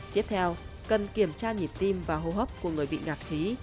tiếp theo cần kiểm tra nhịp tim và hô hấp của người bị ngạc khí